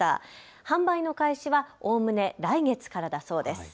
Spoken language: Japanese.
販売の開始はおおむね来月からだそうです。